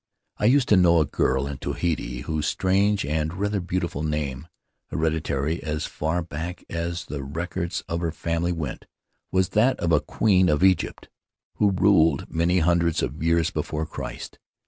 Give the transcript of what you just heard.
I used to know a girl in Tahiti whose strange and rather beautiful name — hereditary as far back as the records of her family went — was that of a queen of Egypt who ruled many hundreds of years before Christ.